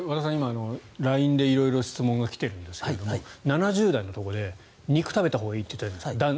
和田さんはＬＩＮＥで色々質問が来ているんですけど７０代のところで肉を食べたほうがいいって言ったじゃないですか。